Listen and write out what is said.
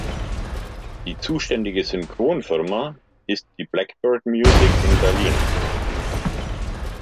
Die zuständige Synchronfirma ist die Blackbird Music in Berlin.